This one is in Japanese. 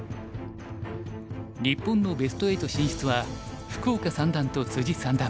日本のベスト８進出は福岡三段と三段。